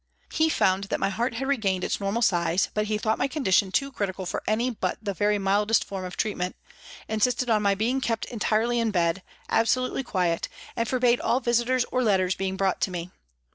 He found that my heart had regained its normal size, but he thought my condition too critical for any but the very mildest form of treatment ; insisted on my being kept entirely in bed, absolutely quiet, and forbade all visitors or letters being brought to me.